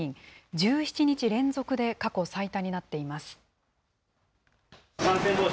１７日連続で過去最多になっています。